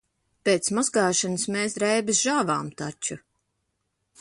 Pēc mazgāšanas mēs drēbes žāvām taču.